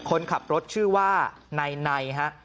คนขับรถชื่อว่าไนไน